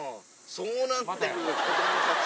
そうなってくると子どもたち